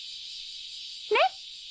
ねっ！